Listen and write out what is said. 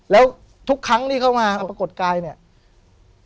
แล้วทุกครั้งที่เข้ามาปรากฏกายเนี่ย